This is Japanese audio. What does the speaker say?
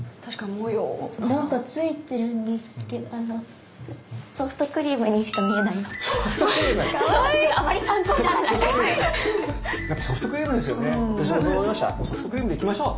もうソフトクリームでいきましょう！